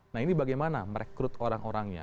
nah ini bagaimana merekrut orang orangnya